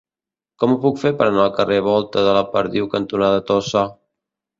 Com ho puc fer per anar al carrer Volta de la Perdiu cantonada Tossa?